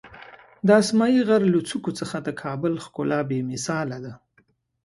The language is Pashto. د اسمایي غر له څوکو څخه د کابل ښکلا بېمثاله ده.